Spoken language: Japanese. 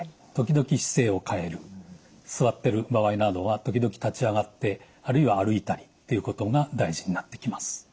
座ってる場合などは時々立ち上がってあるいは歩いたりっていうことが大事になってきます。